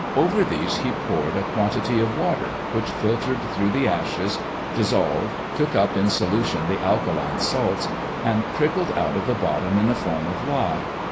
Over these he poured a quantity of water, which filtered through the ashes, dissolved, took up in solution the alkaline salts, and trickled out of the bottom in the form of lye.